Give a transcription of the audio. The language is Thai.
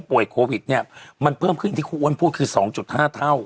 โควิดเนี่ยมันเพิ่มขึ้นอย่างที่ครูอ้วนพูดคือ๒๕เท่า